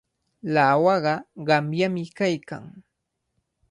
Lawaqa qamyami kaykan.